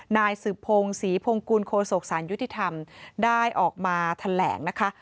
นายสืบพงศรีพงกุลโคศกสารยุติธรรมได้ออกมาแถลงนะคะ